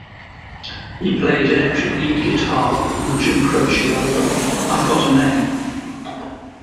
He played electric lead guitar on the Jim Croce album, "I Got a Name".